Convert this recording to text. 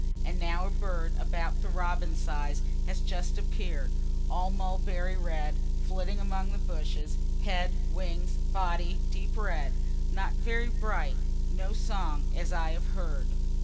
And now a bird about the robin size has just appear'd, all mulberry red, flitting among the bushes head, wings, body, deep red, not very bright no song, as I have heard.